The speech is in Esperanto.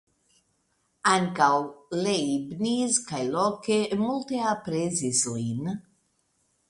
Ankaŭ Leibniz kaj Locke multe aprezis lin.